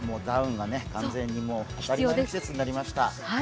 もうダウンが完全に必要な季節になりました。